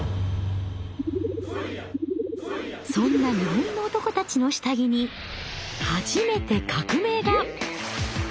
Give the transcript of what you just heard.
そんな日本の男たちの下着に初めて革命が！